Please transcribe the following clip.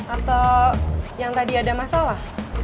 atau yang tadi ada masalah